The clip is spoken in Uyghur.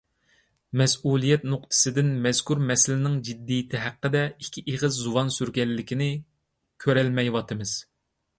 مەسئۇلىيەت نۇقتىسىدىن مەزكۇر مەسىلىنىڭ جىددىيىتى ھەققىدە ئىككى ئېغىز زۇۋان سۈرگەنلىكىنى كۆرەلمەيۋاتىمىز.